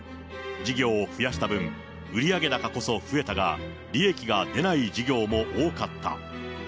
事業を増やした分、売上高こそ増えたが、利益が出ない事業も多かった。